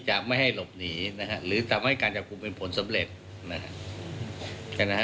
จะไม่ให้หลบหนีนะฮะหรือทำให้การจับกลุ่มเป็นผลสำเร็จนะฮะ